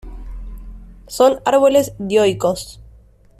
Son árboles dioicos.